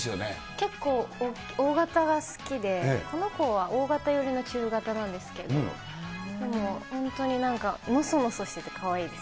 結構、大型が好きで、この子は大型寄りの中型なんですけど、でも、本当になんか、もそもそしてて、かわいいです。